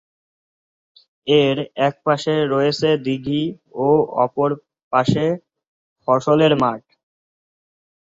এর একপাশে রয়েছে দীঘি ও অপর পাশে ফসলের মাঠ।